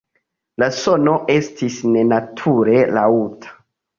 La sono estis nenature laŭta.